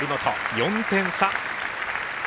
４点差。